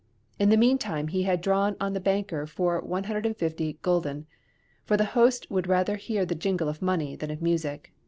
In the meantime he had drawn on the banker for 150 gulden, "for the host would rather hear the jingle of money than of music."